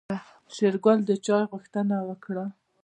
شېرګل د چاي غوښتنه وکړه.